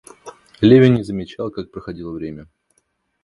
Левин не замечал, как проходило время.